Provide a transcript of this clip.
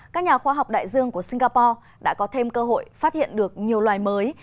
các nhà khoa học đại dương của singapore đã có thêm cơ hội phát hiện được nhiều loài mới